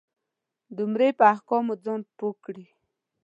د عمرې په احکامو ځان پوی کړې.